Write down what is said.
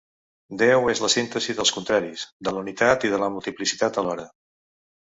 Déu és la síntesi de contraris, de la unitat i de la multiplicitat alhora.